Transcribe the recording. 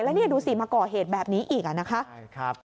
แล้วนี่ดูสิมาก่อเหตุแบบนี้อีกนะคะ